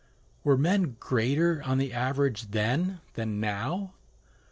Were men greater on the average then than now?